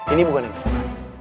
ini bukan yang terbaik